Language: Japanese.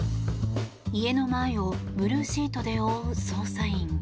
家の前をブルーシートで覆う捜査員。